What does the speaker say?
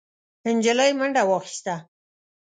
نجلۍ منډه واخيسته.